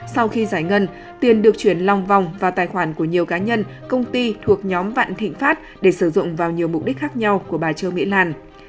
sau khi giải ngân tiền được chuyển lòng vòng vào tài khoản của nhiều cá nhân công ty thuộc nhóm vạn thịnh pháp để sử dụng vào nhiều mục đích khác nhau của bà trương mỹ lan